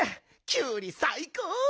キュウリさいこう！